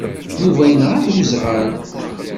Yuba yenɣa-t uẓɣal.